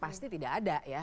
pasti tidak ada ya